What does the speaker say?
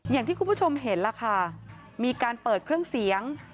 อย่างที่คุณผู้ชมเห็นล่ะค่ะมีการเปิดเครื่องเสียง